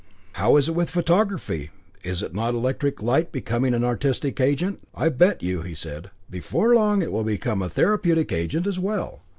How is it with photography? Is not electric light becoming an artistic agent? I bet you," said he, "before long it will become a therapeutic agent as well."